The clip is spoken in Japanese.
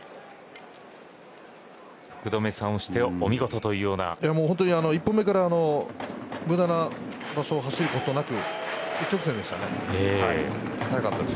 福留さんをしてお見事というよ一歩目から無駄な場所を走ることなく一直線でしたね。